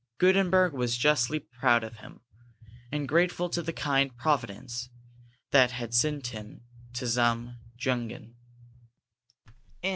Gutenberg was justly proud of him, and grateful to the kind Providence that had sent him to the Zum Jungen.